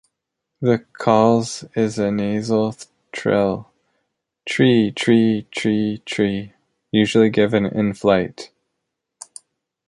The calls is a nasal trill "tree-tree-tree-tree", usually given in flight.